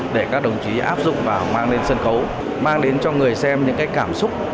để các đồng chí áp dụng và mang lên sân khấu mang đến cho người xem những cái cảm xúc